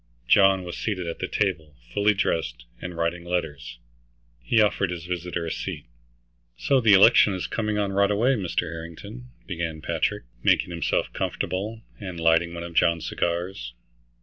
John was seated at the table, fully dressed, and writing letters. He offered his visitor a seat. "So the election is coming on right away, Mr. Harrington," began Patrick, making himself comfortable, and lighting one of John's cigars.